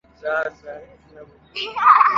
Mpango wa Manunuzi mwaka wa fedha